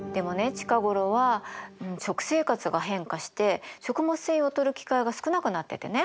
近頃は食生活が変化して食物繊維をとる機会が少なくなっててね。